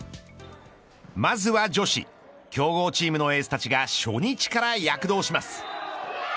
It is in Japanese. まずは女子強豪チームのエースたちが初日から躍動します。